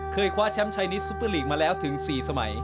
คว้าแชมป์ชายนิดซุปเปอร์ลีกมาแล้วถึง๔สมัย